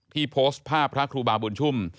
โพสต์ภาพพระครูบาบุญชุ่ม